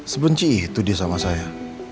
sebenci itu dia sama saya